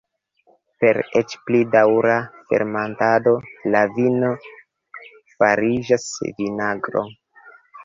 Per eĉ pli daŭra fermentado la vino fariĝas vinagro.